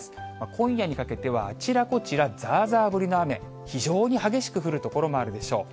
今夜にかけてはあちらこちら、ざーざー降りの雨、非常に激しく降る所もあるでしょう。